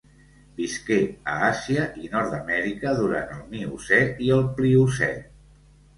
Visqué a Àsia i Nord-amèrica durant el Miocè i el Pliocè.